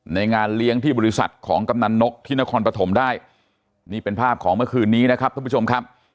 งานเลี้ยงที่บริษัทของกำนันนกที่นครปฐมได้นี่เป็นภาพของเมื่อคืนนี้นะครับท่านผู้ชมครับ